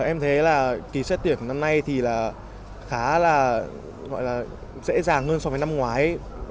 em thấy là kỳ xét tuyển năm nay thì khá là dễ dàng hơn so với năm ngoái